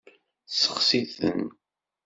Seɣti-ten.